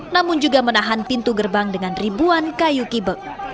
namun juga menahan pintu gerbang dengan ribuan kayu kibek